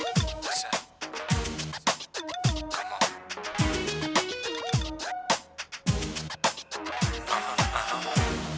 ด้วยก็ได้จบทุกเวลา